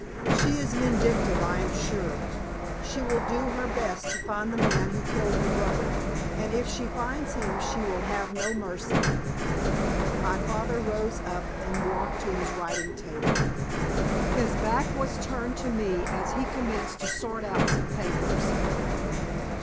She is vindictive, I am sure. She will do her best to find the man who killed her brother, and if she finds him she will have no mercy." My father rose up and walked to his writing table. His back was turned to me as he commenced to sort out some papers.